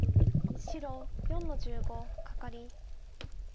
白４の十五カカリ。